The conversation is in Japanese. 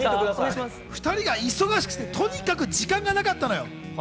２人が忙しくて、とにかく時間がなかったのよ。